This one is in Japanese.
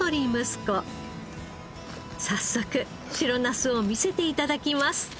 早速白ナスを見せて頂きます。